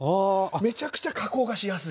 めちゃくちゃ加工がしやすい。